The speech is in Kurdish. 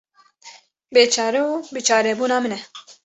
Bêçare û biçarebûna min e.